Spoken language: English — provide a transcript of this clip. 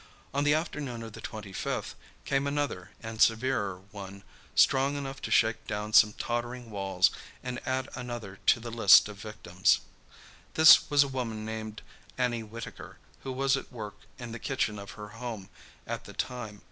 On the afternoon of the 25th came another and severer one, strong enough to shake down some tottering walls and add another to the list of victims. This was a woman named Annie Whitaker, who was at work in the kitchen of her home at the time.